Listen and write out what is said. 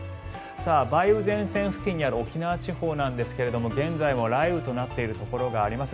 梅雨前線付近にある沖縄地方ですが現在も雷雨となっているところがあります。